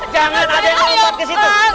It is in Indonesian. jangan ada yang lewat kesitu